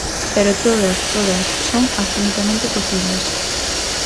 Pero todas, todas, son absolutamente posibles.